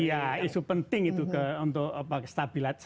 iya isu penting itu untuk stabilitas